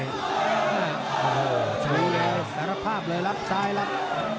โฮโหสู้แล้วสารภาพเลยลับซ้ายลับ